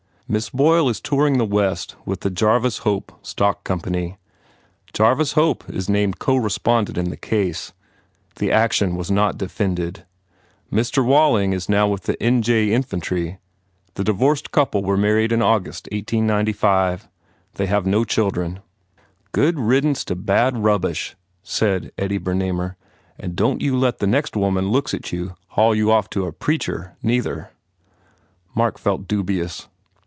Miss Boyle is touring the West with the Jarvis Hope Stock Company. Jar vis Hope is named as co respondent in the case. The action was not defended. Mr. Walling is now with the th N. J. Infantry. The divorced couple were married in August, 1895. They have no children. * "Good riddance to bad rubbish," said Eddie Bernamer, "and don t you let the next woman looks at you haul you off to a preacher, neither." Mark felt dubious.